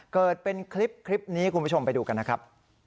เกิดเป็นคลิปนี้คุณผู้ชมไปดูกันนะครับ